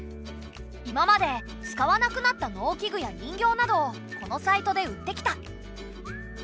今まで使わなくなった農機具や人形などをこのサイトで売ってきた。